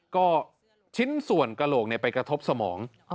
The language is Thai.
ก็ชิ้นส่วนกระโหลกไปกระทบสมอง